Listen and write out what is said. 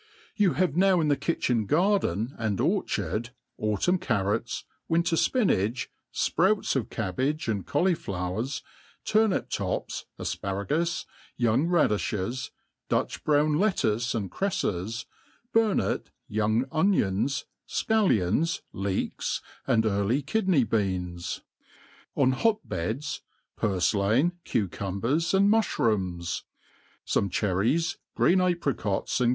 YOU have now in the kitchen garden and orchard, autumn carrots, winter fpinach, fprouts of cabbage and cauliflo\^ers, turnip tops, afparagus, young radiihes, Dutch brown lettuce and crefies, burnet, young onions, fcallions, leeks, <and early kidney beans. On hot beds, purflain, cucumbers, and mufli rooms. Some cherries, green apricots, and